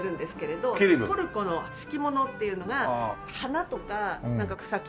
トルコの敷物っていうのが花とか草木とかね